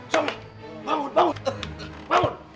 ya udah beritahu kita suatu yang lain